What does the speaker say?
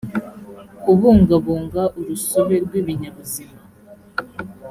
kubungabunga urusobe rw ibinyabuzima